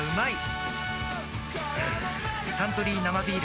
「サントリー生ビール」